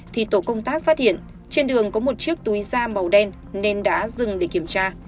thì tổ công tác phát hiện trên đường có một chiếc túi da màu đen nên đã dừng để kiểm tra